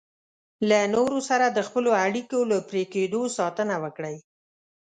له نورو سره د خپلو اړیکو له پرې کېدو ساتنه وکړئ.